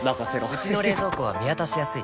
うちの冷蔵庫は見渡しやすい